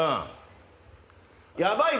やばいよ。